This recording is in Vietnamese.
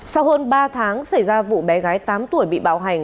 sau hơn ba tháng xảy ra vụ bé gái tám tuổi bị bạo hành